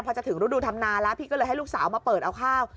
พอจะถึงฤดูธรรมนาแล้วพี่ก็เลยให้ลูกสาวมาเปิดเอาข้าว